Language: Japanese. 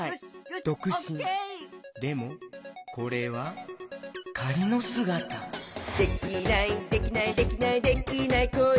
でもこれはかりのすがた「できないできないできないできない子いないか」